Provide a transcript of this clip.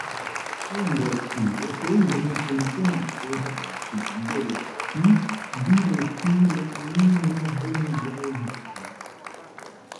È un reattivo che usa una soluzione acquosa acida della p-dimetilamminobenzaldeide.